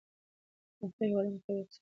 پرمختللي هېوادونه قوي اقتصاد لري.